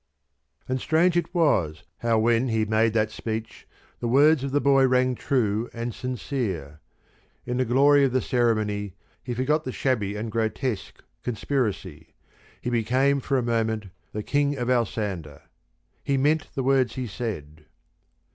And strange it was how when he made that speech the words of the boy rang true and sincere. In the glory of the ceremony he forgot the shabby and grotesque conspiracy: he became for the moment the King of Alsander: he meant the words he said.